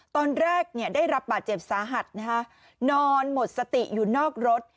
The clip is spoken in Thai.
ตอนแรกได้รับบาดเจ็บสาหัสนอนหมดสติอยู่นอกรถ